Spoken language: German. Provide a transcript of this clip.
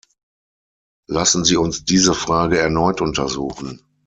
Lassen Sie uns diese Frage erneut untersuchen.